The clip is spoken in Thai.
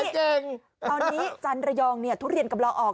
ตอนนี้จันรยองทุเรียนกำลังออก